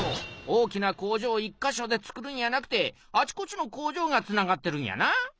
大きな工場１か所でつくるんやなくてあちこちの工場がつながってるんやな。